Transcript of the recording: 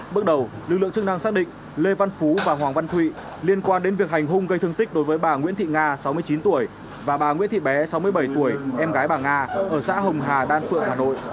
bước đầu lực lượng chức năng xác định lê văn phú và hoàng văn thụy liên quan đến việc hành hung gây thương tích đối với bà nguyễn thị nga sáu mươi chín tuổi và bà nguyễn thị bé sáu mươi bảy tuổi em gái bà nga ở xã hồng hà đan phượng hà nội